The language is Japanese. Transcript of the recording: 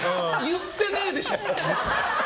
言ってねえでしょ！